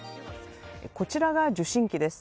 こちらが受信機です。